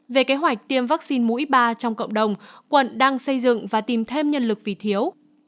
về kế hoạch tiêm vaccine mũi ba trong cộng đồng quận đang xây dựng và tìm thêm nhân lực vì thiếu